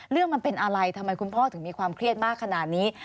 มันเป็นอะไรทำไมคุณพ่อถึงมีความเครียดมากขนาดนี้